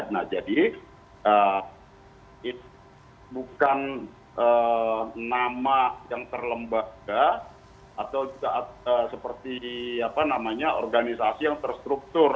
nah jadi bukan nama yang terlembaga atau juga seperti organisasi yang terstruktur